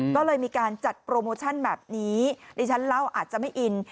ก็เลยมีการจัดโปรโมชั่นแบบนี้ดิฉันเล่าอาจจะไม่อิน